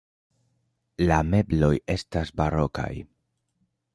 La mebloj estas barokaj.